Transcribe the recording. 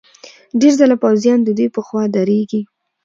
ډېر ځله پوځیان ددوی په خوا درېږي.